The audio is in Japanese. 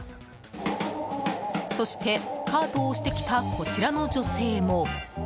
そして、カートを押してきたこちらの女性も。